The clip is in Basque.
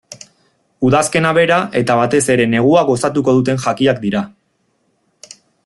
Udazkena bera eta batez ere negua gozatuko duten jakiak dira.